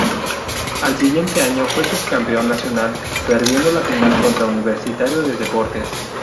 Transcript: Al siguiente año fue subcampeón nacional, perdiendo la final contra Universitario de Deportes.